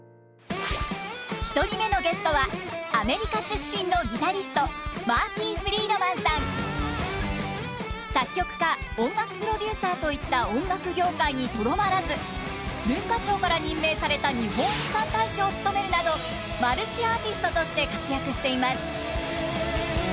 １人目のゲストはアメリカ出身の作曲家音楽プロデューサーといった音楽業界にとどまらず文化庁から任命された日本遺産大使を務めるなどマルチアーティストとして活躍しています。